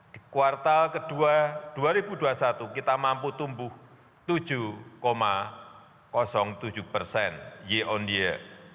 di kuartal kedua dua ribu dua puluh satu kita mampu tumbuh tujuh tujuh persen year on year